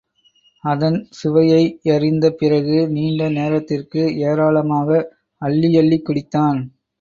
அதன் சுவையையறிந்த பிறகு நீண்ட நேரத்திற்கு ஏராளமாக அள்ளியள்ளிக் குடித்தான்.